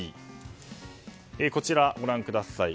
こちら、ご覧ください。